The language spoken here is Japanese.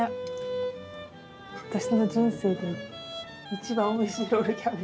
私の人生で一番おいしいロールキャベツ。